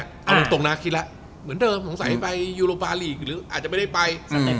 เอาโอปร์ตรงนานคิดละเหมือนเบิร์นเดิมสงสัยไปเยูโรปารีกหรืออาจจะไม่ได้ไป